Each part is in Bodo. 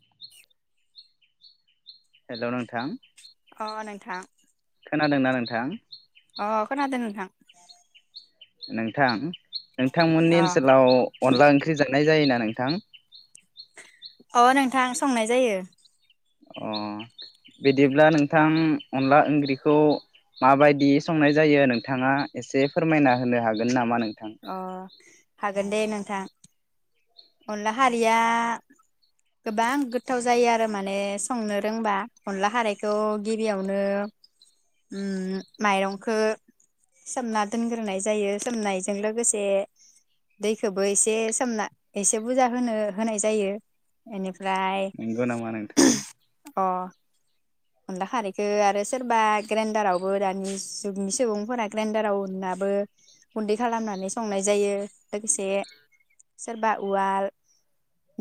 [inaudible] हेल नोंथां‌ अ नोंथां खोनादोंना नोंथां? अ खोनादों नोंथां। नोंथां नोंथांमोननि अ ओनसोलाव अनला ओंख्रि जा संनाय जायोना नोंथां? अ नोंथां संनाय जायो। अ बिदिब्ला नोंथां अनला ओंख्रिखौ माबायदि संनाय जायो नोंथाङा एसे फोरमायना होनो हागोन नामा नोंथां? अ हागोन दे नोंथां। अनला खारिया गोबां गोथाव जायो आरो माने संनो रोंबा अनला खारायखौ गिबियावनो माइरंखौ सोमना दोनग्रोनाय जायो सोमनायजों लोगोसे दैखौबो एसे सोमना एसे बुरजा होनो होनाय जायो बेनि फ्राय नंगौ नामा नोंथां अ अनला खारैखौ आरो सोरबा ग्रेन्डारावबो दानि जुगनि अन्ला खारैखौ आरो सोरबा ग्रेन्दार आवबो दानि सुबुंफोरा ग्रेन्डारा आव उननाबो गुन्दै खालामनानै संनाय जायो लोगोसे सोरबा उवाल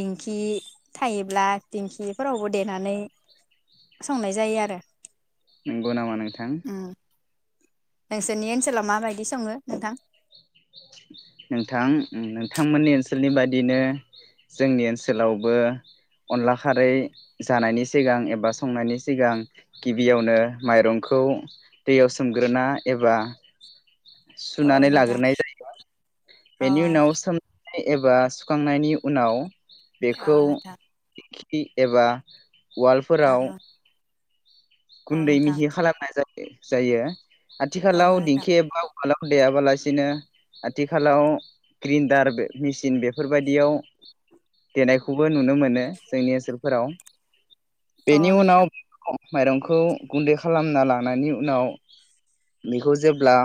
दिंखि थायोब्ला दिंखिफोरावबो देनानै संनाय जायो आरो नोंगौ नामान नोंथां? उम नोंसोरनि ओनसोलाव माबायदि सङो नोंथां? नोंथां नोंथांमोननि ओनसोलनि बादिनो जोंनि ओनसोलावबो अनला खारै जानायनि सिगां एबा संनायनि सिगां गिबियावनो माइरंखौ दैयाव सोमग्रोना एबा औ सुनानै नोंथां लाग्रोनाय जायो। अ बेनि उनाव औ सो एबा सुखांनायनि उनाव बेखौ नोंथां एबा औ उवालफोराव औ गुन्दै नोंथां मिहि खालामनाय जायो। जायो। औ आथिखालाव नोंथां दिेंखि एबा आथिखालाव देयाबालासिनो आथिखालाव ग्रिन्दार मेसिन बेफोरबायदियाव देनायखौबो नुनो मोनो जोंनि ओनसोलफोराव। औ बेनि उनाव नोंथां माइरं खौ गुन्दै खालामना लानायनि उनाव बेखौ जेब्ला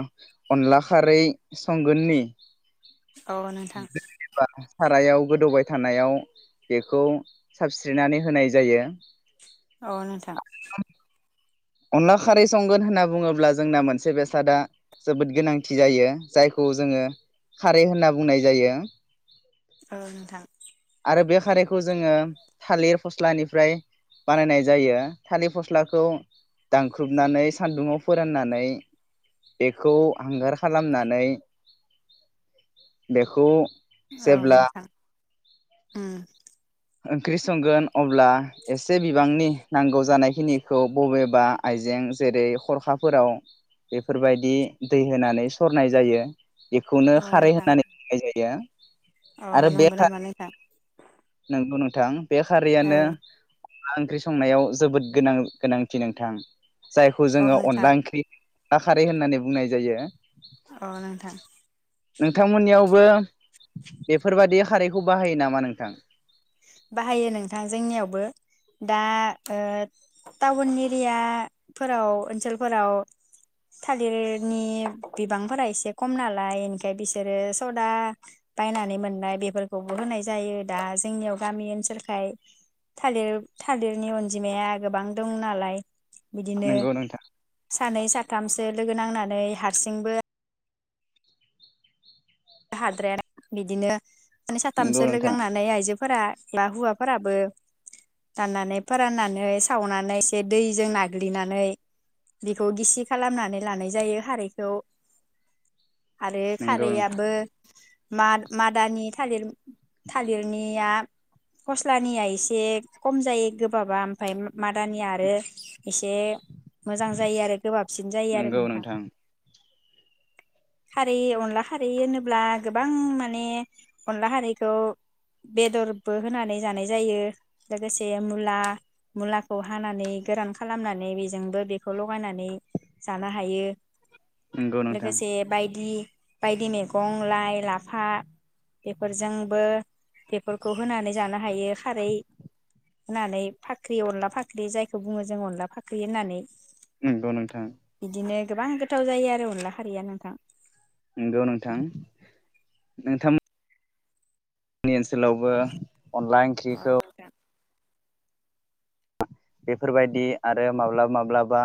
अनला खारै संगोननि औ नोंथां बा सारायाव गोदौबाय थानायाव बेखौ साबस्रिनानै होनाय जायो। औ नोंथां। अनला खारै संगोन होनना बुङोब्ला जोंना मोनसे बेसादा जोबोद गोनांथि जायो जायखौ जोङो खारै होनना बुंनाय जायो। औ नोंथां बे खारैखौ जोङो थालिर फस्लानिफ्राय बानायनाय जायो थालिर फस्लाखौ दानख्रुबनानै सान्दुंङाव फोराननानै बेखौ हांगार खालामनानै बेखौ औ जेब्ला नोंथां। उम ओंख्रि संगोन अब्ला एसे बिबांनि नांगौ जानायखिनिखौ बबेबा आइजें जेरै हरखाफोराव बेफोरबायदि दै होनानै सरनाय जायो। इखौनो खारै होननानै बुंनाय जायो। अ नंगौ नामा नैथां? नोंगौ नोंथां। बे खारैयानो मा ओंख्रि संनायाव जोबोद गोनां गोनांथि नोंथां। जायखौ औ जोंङो नोंथां अनला ओंख्रि आ खारै होननानै बुंनाय जायो। अ नोंथां नोंथांमोननियावबो बेफोरबादि खारैखौ बाहायो नामा नोंथां? बाहायो नोंथां जोंनियावबो। दा ओ टाउन एरियाफोराव ओनसोलफोराव थालिरनि बिबांफोरा एसे खमनालाय ओंखाय बिसोरो सदा बायनानै मोननाय बेफोरखौबो होनाय जायो दा जोंनियावब गामि ओनसोलखाय थालिर-थालिरनि अनजिमाया गोबां दं नालाय बिदिनो नंगौ नोंथां सानै साख थामसो लोगो नांनानै हारसिंबो हाद्रायानो बिदिनो नै नंगौ साथामसो लोगो नोंथां नांनानै आइजोफोरा बा हुवाफोराबो दाननानै फोराननानै सावनानै एसे दैजों नाग्लिनानै बेखौ गिसि खालामनानै लानाय जायो हारैखौ। आरो नंगौ नोंथां खारैआबो माद-मादानि थालिर थालिरनिया फस्लानिया एसे खम जायो गोबाबा ओमफ्राय मादानिया आरो एसे मोजां जायो आरो गोबाबसिन जायो आरो नोंथां। खारि अनला खारि होनोब ब्ला गोबां माने अनला हारैखौ बेदरबो होनानै जानाय जायो। लोगोसे मुला मुलाखौ हानानै गोरान खालामनानै बेजोंबो बेखौ लगायनानै जानो हायो। नंगौ नोंथां लोगोसे बायदि। बायदि मेग गं लाइ लाफा बेफोरजोंबो बेफोरखौ होनानै जानो हायो खारै होनानै फाख्रि अनला फाख्रि जायखौ बुंङो जों अनला फाख्रि होननानै। नोंगौ नोंथां। बिदिनो गोबां गोथाव जायो आरो अनला खारिया नोंथां। नोंगौ नोंथां नोंथांम नि ओनसोलावबो अनला ओंख्रिखौ बेफोरबायदि आरो माब्लाबा माब्लाबा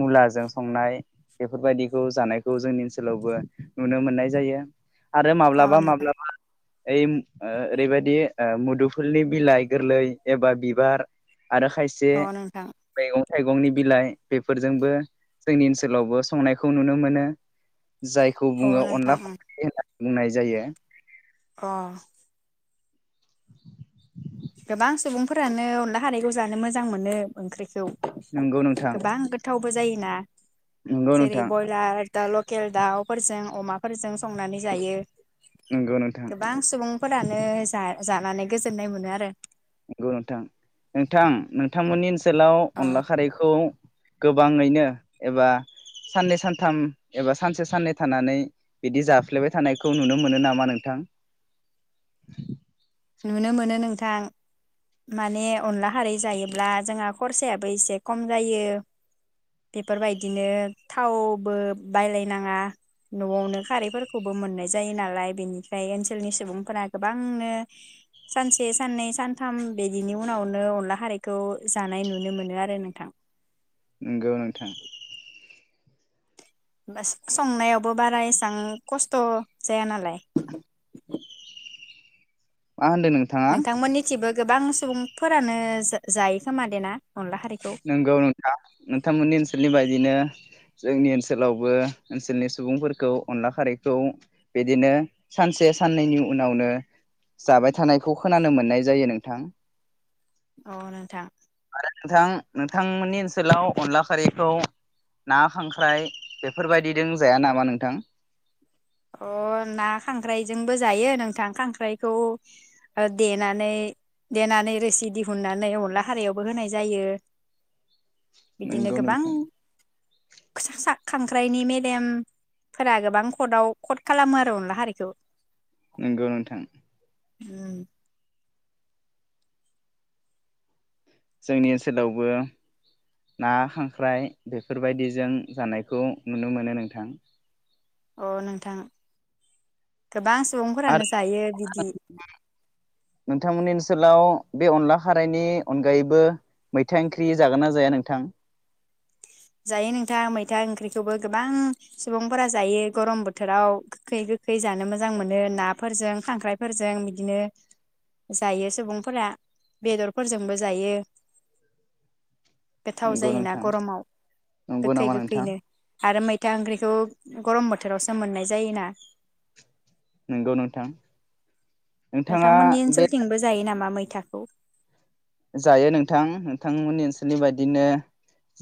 मुलाजों संनाय बेफोरबायदिखौ जानायखौ जोंनि ओनसोलावबो नुनो मोननाय जायो। आरो अ माब्लाबा नोंथां माब्लाबा ओइम ओ ओरैबायदि ओ मुदुफुलनि बिलाइ गोरलै एबा बिबार आरो खाय अ नोंथां। थाइगंनि बिलाइ बेफोरजोंबो जोंनि ओनसोलावबो संनायखौ नुनो मोनो। जायखौ अ बुंङो अनला नोंथां खारै होन्नानै। बुंनाय जायो। अह [inaudible] गोबां सुबुंफोरानो अनला हारैखौ जानो मोजां मोनो ओंख्रिखौ नंगौ नोंथां। खु जायोना। नंगौ जेरै नोंथां बयलार दालव लकेल दाउफोरजों अमाफोरजों संनानै जायो। नंगौ नोंथां गोबां सुबुं फोरानो जा-जानानै गोजोननाय मोनो आरो रो नंगौ नोंथां नोंथां नोंथांमोननि ओनसो सोलाव अ अनला खारैखौ गोबाङैनो एबा साननै सानथाम एबा सानसे साननै थानानै बिदि जाफ्लेबाय थानायखौ नुनो मोनो नामा नोंथां? नुनो मोनो नोंथां माने अनला खारै जायोब्ला जोंहा खरसायाबो एसे खम जायो बेफोरबायदिनो थावबो बायलायनाङा नआवनो खारैफोरखौबो मोननाय जायो नालाय बेनिफ्राय ओनसोलनि सुबुंफोरा गोबांनो सानसे साननै सानथाम बिदिनि उनावनो अनला खारैखौ जानाय नुनो मोनो आरो नोंथां नंगौ नोंथां। बास संनायावबो बारा एसां खस्थ जाया नालाय मा होनदों नोंथाङा। नोंथांमोननिथिबो गोबां सुबुंफोरानो जा-जायो खोमा दे ना? नंगौ नोंथा नोंथांमोननि ओनसोलनि बायदिनो जोंनि ओनसोलावबो ओनसोलनि सुबुंफोरखौ अनला खारैखौ बिदिनो सानसे साननैनि उनावनो जाबाय थानायखौ खोनानो मोननाय जायो नोंथां। अ नोंथां। नोंथां। नोंथांमोननि ओनसोलाव अनला खारैखौ ना खांख्राइ बेफोरबायदिदों जाया नामा नोंथां। अ ना खांख्राइजोंबो जायो नोंथां खांख्राइखौ देनानै देनानै रोसि दिहुननानै अनला हारैयावबो होनाय जायो। बिदिनो नंगौ गोबां नोंथां [unintelligible] सा खांख्राइनि मेलेमफोरा गोबां कर्टआव खथ खालामो आरो अनला हारैखौ‌ नंगौ नोंथां। उम। जोंनि ओनसोलावबो ना खांख्राइ बेफोरबायदिजों जानायखौ नुनो मोनो नोंथां। अ नोंथां। गोबां सुबुंफोरानो आरो जायो बिदि सोलाव बे अनला खारैनि अनगायैबो मैथा ओंख्रि जागोन ना जाया नोंथां? जायो नोंथां मैथा ओंख्रिखौबो गोबां सुबुंफोरा जायो गरम बोथोराव गोखै गोखै जानो मोजां मोनो नाफोरजों खांख्राइफोरजों बिदिनो जायो सुबुंफोरा बेदरफोरजोंबो जायो। गोथाव नंगौ जायोना नोंथां गरमाव नंगौ गोखै नामा नोंथां। गोखैनो आरो मैथा ओंख्रिखौ गरम बोथोरावसो मोननाय जायोना। नंगौ नोंथां। नोंथाङा नोंथांमोननि बे ओनसोलथिंबो जायो नामा? मैथाखौ जायो नोंथां नोंथांमोननि ओनसोलनि बायदिनो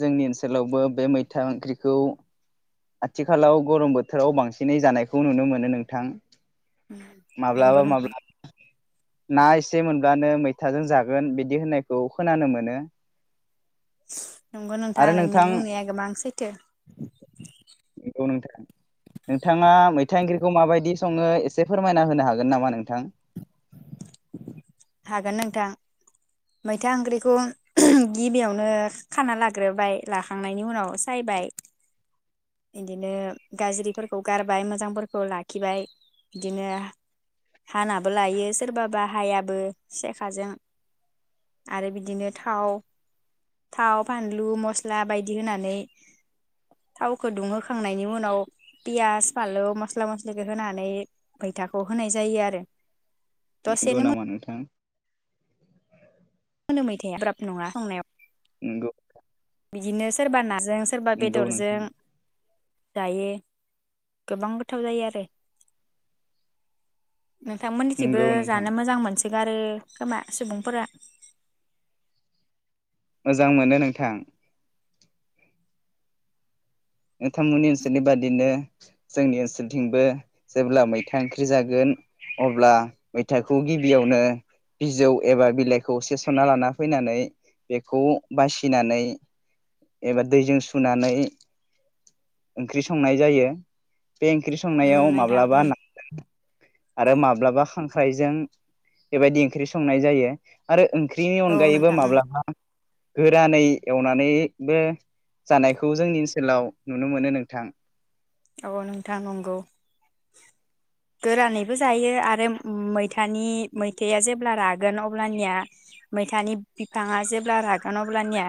जोंनि ओनसोलावबो बे मैथा ओंख्रिखौ आथिखालाव गरम बोथोराव बांसिनै जानायखौ नुनो मोनो नोंथां नंगौ माब्लाबा माब्लाबा नोंथां ना एसे मोनब्लानो मैथाजों जागोन बिदि होननायखौ खोनानो मोनो [inaudible] आरो नोंनि नोंथां बुंनाया गोबां सैथो नंगौ नोंथां नोंथाङा मै था इंख्रिखौ माबायदि सङो एसे फोरमायना होनो हागोन नामा नोंथां? हागोन नोंथां मैथा ओंख्रिखौ गिबियावनो खाना लाग्रोबाय लाखांनायनि उनाव सायबाय बिदिनो गाज्रिफोरखौ गारबाय मोजांफोरखौ लाखिबाय बिदिनो हानाबो लायो सोरबाबा हायाबो सेखाजों आरो बिदिनो थाव थाव फानलु मस्ला बायदि होनानै थाव फुदुंहोखांनायनि उनाव पियास फानलौ मस्ला मस्लिखौ होनानै मैथाखौ होनाय जायो आरो नंगौ दसेनो नामा नोंथां मोनो मैथाया गोब्राब नङा संनायाव नंगौ बिदिनो सोरबा ना जों सोरबा नंगौ बेदरजों नोंथां जायो गोबां गोथाव जायो आरो नोंथांमोननिथिंबो नंगौ नोंथां जानो मोजां मोनस गारो खोमा सुबुंफोरा मोजां मोनो नोंथां नोंथांमोननि ओनसोलनि बादिनो जोंनि ओनसोलथिंबो जेब्ला मैथा ओंख्रि जागोन अब्ला मैथाखौ गिबियावनो बिजौ एबा बिलाइखौ सेस'नना लाना फैनानै बेखौ बासिनानै एबा दैजों सुनानै ओंख्रि संनाय जायो बे ओंख्रि उम संनायाव नोंथां उम माब्लाबा ना आरो माब्लाबा खांख्रायजों बेबायदि ओंख्रि संनाय जायो आरो ओंख्रिनि औ अनगायैबो नोंथां उम माब्लाबा गोरानै एवनानै बे जानायखौ जोंनि ओनसोलाव नुनो मोनो नोंथां औ नोंथां नंगौ गोरानैबो जायो आरो मैथानि मैथायआ जेब्ला रागोन अब्लानिया मैथानि बिफाङा जेब्ला रागोन अब्लानिया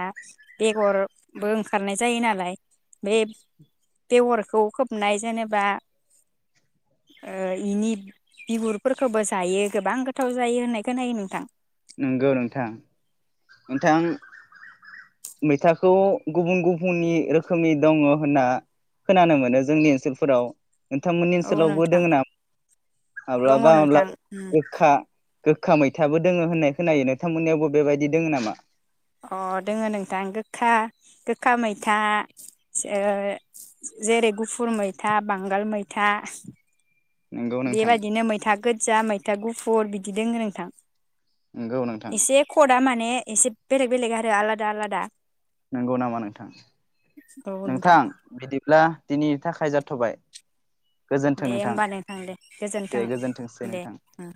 बेगरबो ओंखारनाय जायो नालाय बे बेगरखौ खोबनाय जेनेबा ओ इनि बिगुरफोरखौबो जायो गोबां गोथाव जायो होननाय खोनायो नोंथां नंगौ नोंथां नोंथां मैथाखौ गुबुन गुबुननि रोखोमनि दङ होनना खोनानो मोनो जोंनि ओनसोलफोराव नोंथांमोननि औ ओनसोलावबो नोंथां दोङ नामा? दङ माब्लाबा नोंथां माब्लाबा गोखा गोखा मैथाबो दोङो होननाय खोनायो नोंथांमोननियावबो बेबायाददि दङ नामा? अ दोङ नोंथां गोखा गोखा मैथा जेओ जेरै गुफुर मैथा बांगाल मैथा नंगौ नोंथां बेबायदिनो मैथा गोद जा मैथा गुफुर बिदि दोंङो नोंथां। नंगौ नोंथां। दा माने एसे बेलेग बेलेग आरो आलादा आलादा नंगौ नामा नोंथां, नोंथां बिदिब्ला दिनैनि थाखाय जाथ'बाय दे होमबा नोंथां दे गोजोन्थों दे गोजोनथोंसै दे नोंथां। ओं।